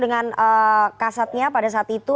dengan kasatnya pada saat itu